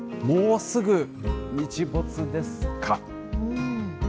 もうすぐ日没ですか。